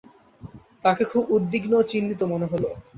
তাঁকে খুব উদ্বিগ্ন ও চিন্তিত মনে হলো।